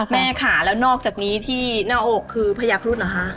แม่ค่ะแล้วนอกจากนี้ที่หน้าอกคือพญาครุฑเหรอคะ